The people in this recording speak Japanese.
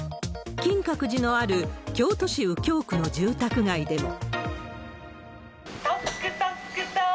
金閣寺のある京都市右京区の住宅街でも。